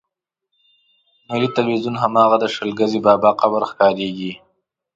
ملي ټلویزیون هماغه د شل ګزي بابا قبر ښکارېږي.